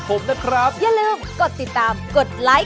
โปรดติดตามตอนต่อไป